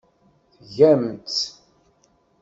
Tgam-tt.